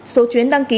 số chuyến đăng ký